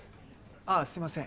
ああすいません。